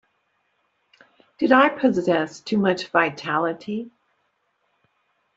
Did I possess too much vitality.